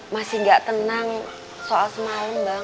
masih gak tenang soal semalem bang